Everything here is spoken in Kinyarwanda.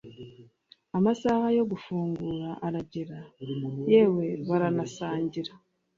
amasaha yo gufungura aragera yewe baranasangira